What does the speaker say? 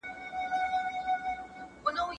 ¬ څوری څه په نس څه په څنگ.